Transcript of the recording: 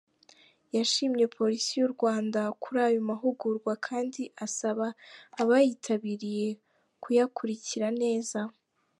Yashimye Polisi y’u Rwanda kuri ayo mahugurwa kandi asaba abayitabiriye kuyakurikra neza.